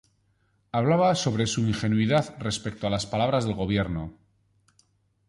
Hablaba sobre su "ingenuidad" respecto a las palabras del gobierno.